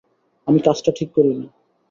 আমি কাজটা ঠিক করিনি।